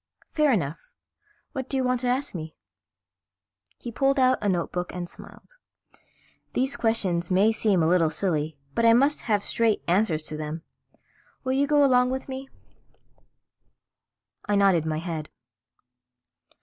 "Fair enough. What do you want to ask me?" He pulled out a notebook and smiled. "These questions may seem a little silly but I must have straight answers to them. Will you go along with me?" I nodded my head.